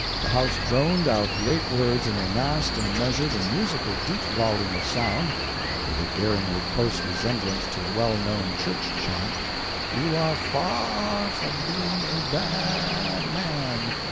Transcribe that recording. The house droned out the eight words in a massed and measured and musical deep volume of sound (with a daringly close resemblance to a well known church chant) "You are f a r from being a b a a a d man."